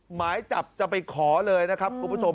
หมายจับจะไปขอเลยนะครับคุณผู้ชม